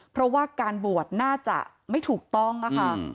เพราะว่าการบวชน่าจะไม่ถูกต้องค่ะ